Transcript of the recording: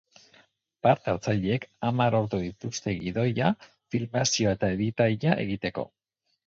Partehartzaileek hamar ordu dituzte gidoia, filmazioa eta editaia egiteko.